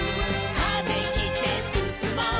「風切ってすすもう」